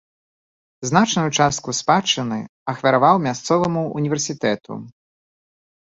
Значную частку спадчыны ахвяраваў мясцоваму ўніверсітэту.